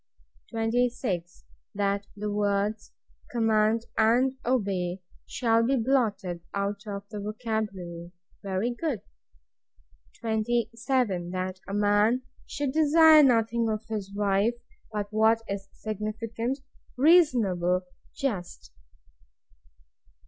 26. That the words COMMAND and OBEY shall be blotted out of the Vocabulary. Very good! 27. That a man should desire nothing of his wife, but what is significant, reasonable, just.